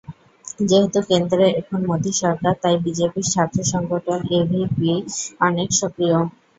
যেহেতু কেন্দ্রে এখন মোদি সরকার, তাই বিজেপির ছাত্রসংগঠন এবিভিপি অনেক সক্রিয়।